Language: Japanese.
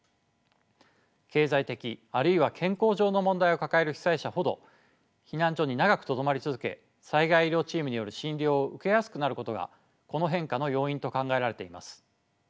経済的あるいは健康上の問題を抱える被災者ほど避難所に長くとどまり続け災害医療チームによる診療を受けやすくなることがこの変化の要因と考えられています。